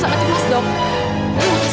kamu dengar tuh